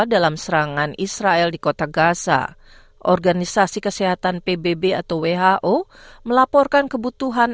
dalam serangan israel di kota gaza organisasi kesehatan pbb atau who melaporkan kebutuhan